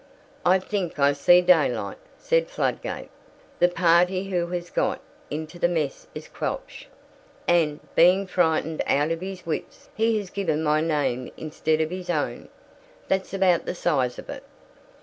"I think I see daylight," said Fladgate. "The party who has got into that mess is Quelch, and, being frightened out of his wits, he has given my name instead of his own. That's about the size of it!"